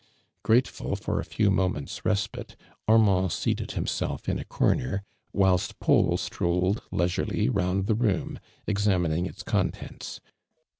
(Jraieful for a few moments resj/ite. Armantl seated himself in a corner, whilst Paul sti'olled* leisiu'cly roimd tin; room, examining its contents.